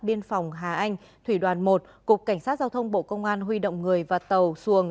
biên phòng hà anh thủy đoàn một cục cảnh sát giao thông bộ công an huy động người và tàu xuồng